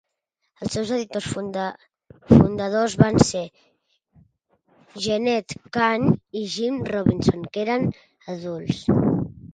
Els seus editors fundadors van ser Jenette Kahn i Jim Robinson, que eren adults.